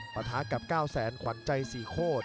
ปะท้ากับเก้าแสนขวัญใจสี่โคตร